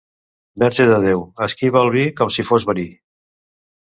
Verge de Déu! Esquiva el vi com si fos verí.